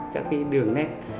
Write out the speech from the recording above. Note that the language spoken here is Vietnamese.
các cái đường nét